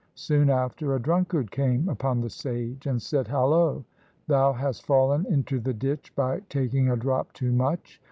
Soon after, a drunkard came upon the sage and said, "Hallo! thou hast fallen into the ditch by taking a drop too much.